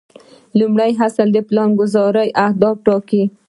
لومړی اصل د پلانګذارۍ اهداف ټاکل دي.